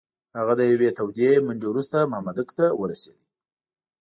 هغه د یوې تودې منډې وروسته مامدک ته ورسېد.